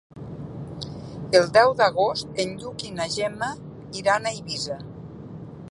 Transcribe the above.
El deu d'agost en Lluc i na Gemma iran a Eivissa.